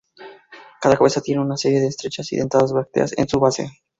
Cada cabeza tiene una serie de estrechas y dentadas brácteas en su base.